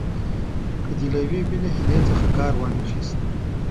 که دې له یوې بلې حیلې څخه کار وانه خیست.